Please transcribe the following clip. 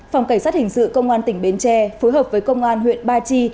phòng cảnh sát hình sự công an tỉnh bến tre phối hợp với công an huyện ba chi